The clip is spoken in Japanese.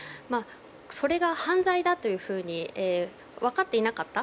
それが犯罪だというふうに分かっていなかった。